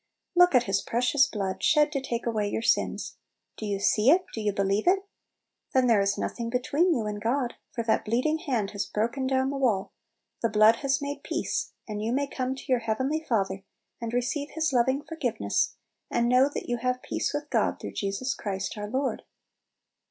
Look at His precious blood shed to take away your sins! Do you see it, do you believe it? Then there is noth ing between you and God, for that bleeding Hand has broken down the wall; the blood has made peace, and you may come to your heavenly Father and receive His loving forgiveness, and know that you have peace with God, through Jesus Christ our Lord.